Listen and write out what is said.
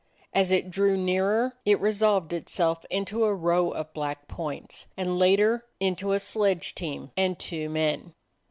As it drew nearer it resolved itself into a row of black points, and later into a sledge team and two men.